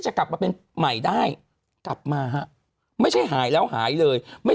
จะกลับมาเป็นใหม่ได้กลับมาฮะไม่ใช่หายแล้วหายเลยไม่